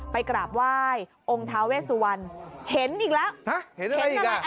ไปกราบไหว้องค์ทาเวสุวรรณเห็นอีกแล้วฮะเห็นอะไรอีกอ่ะ